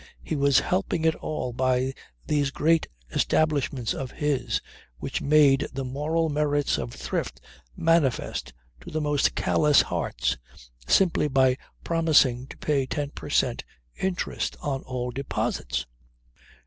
He was helping it by all these great establishments of his, which made the moral merits of Thrift manifest to the most callous hearts, simply by promising to pay ten per cent. interest on all deposits.